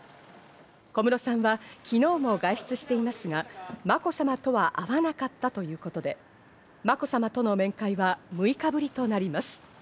小室さんは昨日も外出していますが、まこさまとは会わなかったということで、まこさまとの面会は６日ぶりとなります。